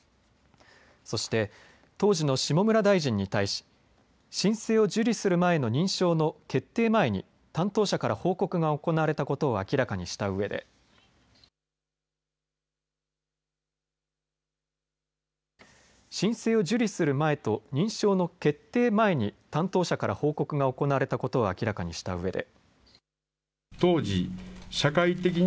そして当時の下村大臣に対し申請を受理する前の認証の決定前に担当者から報告が行われたことを明らかにしたうえで申請を受理する前と認証の決定前に担当者から報告が行われたことを明らかにしたうえで。